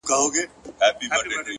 د موخې ځواک ستړیا شاته پرېږدي.